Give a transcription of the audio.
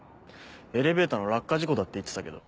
エレベーターの落下事故だって言ってたけど。